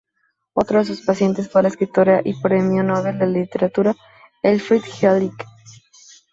Otro de sus pacientes fue la escritora y Premio Nobel de Literatura Elfriede Jelinek.